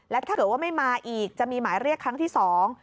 และถ้าเกิดว่าไม่มาอีกจะมีหมายเรียกครั้งที่สอง